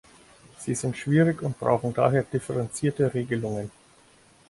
Sie sind schwierig und brauchen daher differenzierte Regelungen.